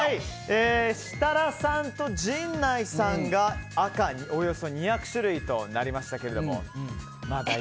設楽さんと陣内さんが赤およそ２００種類となりましたけど。